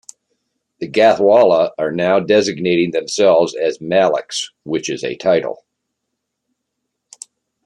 The Gathwala are now designating themselves as Maliks, which is a title.